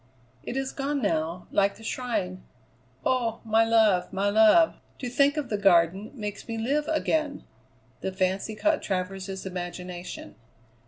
"It is gone now, like the shrine. Oh! my love, my love, to think of the Garden makes me live again." The fancy caught Travers's imagination.